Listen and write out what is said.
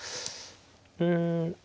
うん。